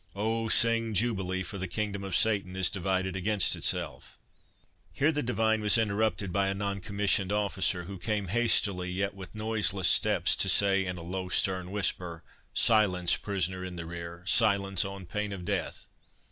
O, sing jubilee, for the kingdom of Satan is divided against itself!" Here the divine was interrupted by a non commissioned officer, who came hastily, yet with noiseless steps, to say, in a low stern whisper— "Silence, prisoner in the rear—silence on pain of death."